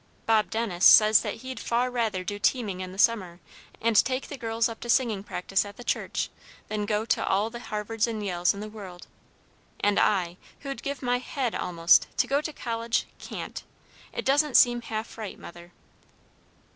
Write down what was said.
Bob Dennis says that he'd far rather do teaming in the summer, and take the girls up to singing practice at the church, than go to all the Harvards and Yales in the world; and I, who'd give my head, almost, to go to college, can't! It doesn't seem half right, Mother."